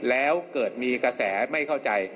แล้วเกิดมีและมีกาแสไม่เข้าใจ